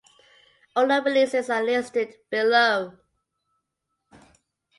All known releases are listed below.